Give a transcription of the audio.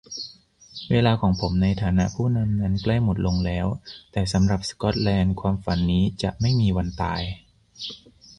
"เวลาของผมในฐานะผู้นำนั้นใกล้หมดลงแล้ว แต่สำหรับสกอตแลนด์ ความฝันนี้จะไม่มีวันตาย"